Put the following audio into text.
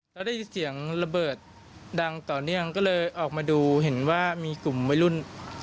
แล้วได้ยินเสียงระเบิดดังต่อเนื่องก็เลยออกมาดูเห็นว่ามีกลุ่มวัยรุ่น